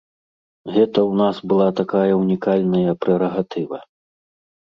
Гэта ў нас была такая ўнікальная прэрагатыва.